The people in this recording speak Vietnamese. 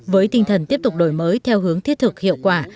với tinh thần tiếp tục đổi mới theo hướng thiết thực hiệu quả